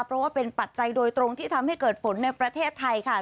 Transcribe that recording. เพราะว่าเป็นปัจจัยโดยตรงที่ทำให้เกิดฝนในประเทศไทยค่ะ